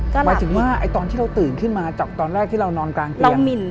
หมายถึงว่าตอนที่เราตื่นขึ้นมาจากตอนแรกที่เรานอนกลางเตียง